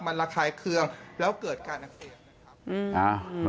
มันระคายเครื่องแล้วเกิดการอักเสบนะครับ